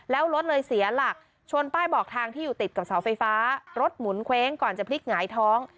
แล้วรถเลยเสียหลักชนป้ายบอกทางที่อยู่ติดกับเสาไฟฟ้ารถหมุนเว้งก่อนจะพลิกหงายท้อง